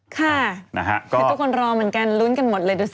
คือทุกคนรอเหมือนกันลุ้นกันหมดเลยดูสิ